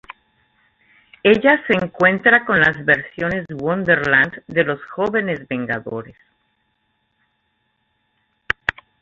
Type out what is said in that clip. Ella se encuentra con las versiones Wonderland de los Jóvenes Vengadores.